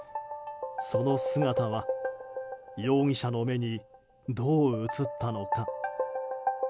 その姿は、容疑者の目にどう映ったのか？